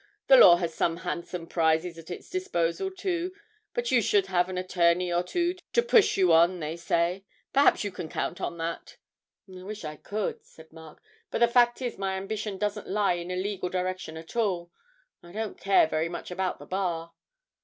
The law has some handsome prizes in its disposal, too. But you should have an attorney or two to push you on, they say. Perhaps you can count on that?' 'I wish I could,' said Mark, 'but the fact is my ambition doesn't lie in a legal direction at all. I don't care very much about the Bar.'